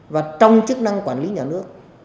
và trong chức năng quản lý nhà nước